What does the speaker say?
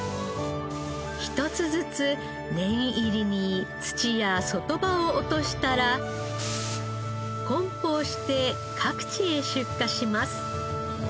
一つずつ念入りに土や外葉を落としたら梱包して各地へ出荷します。